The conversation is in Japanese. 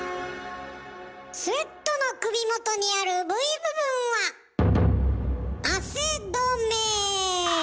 スウェットの首元にあるＶ部分は汗どめ。